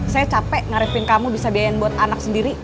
saya capek ngarifin kamu bisa biayain buat anak sendiri